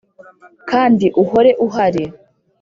kandi uhore uhari